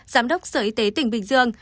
giám đốc sở y tế tỉnh bình dương